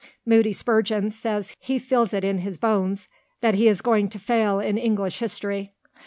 Moody Spurgeon says he feels it in his bones that he is going to fail in English history.